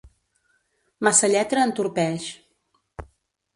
Massa lletra entorpeix.